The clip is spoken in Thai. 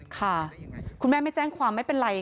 ค่ะคุณแม่ไม่แจ้งความไม่เป็นไร